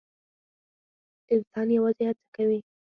انسان یوازې هڅه کوي